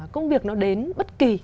công việc nó đến bất kì